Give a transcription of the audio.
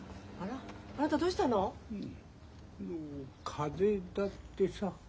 風邪だってさ。